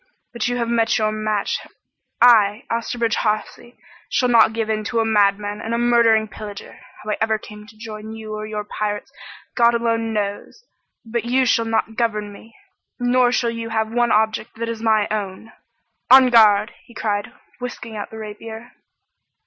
But you have met your match. I, Osterbridge Hawsey, shall not give in to a madman and a murdering pillager. How I ever came to join you or your pirates God alone knows, but you shall not govern me! Nor shall you have one object that is my own! En garde!" he cried, whisking out the rapier.